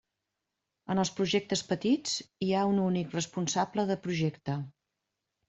En els projectes petits hi ha un únic responsable de projecte.